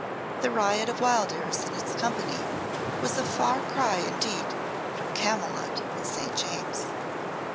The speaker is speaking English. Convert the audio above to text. The riot of Wildairs and its company was a far cry indeed from Camylott and St. James.